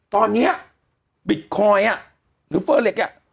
ตอนนี้บิตคอยน์หรือเฟอร์เล็กอ่ะ